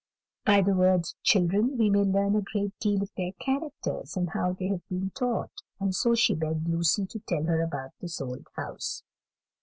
By the words of children we may learn a great deal of their characters, and how they have been taught; and so she begged Lucy to tell her about this old house.